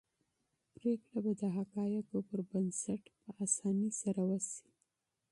پرېکړه به د حقایقو پر بنسټ په اسانۍ سره وشي.